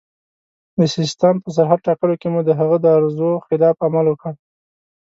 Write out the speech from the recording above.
د سیستان په سرحد ټاکلو کې مو د هغه د ارزو خلاف عمل وکړ.